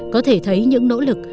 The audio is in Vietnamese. có thể thấy những nỗ lực